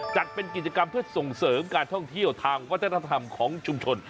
จัดเป็นกิจกรรมเพื่อส่งเสริมการท่องเที่ยวทางวัฒนธรรมของชุมชน